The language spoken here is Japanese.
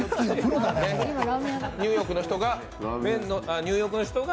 ニューヨークの人が？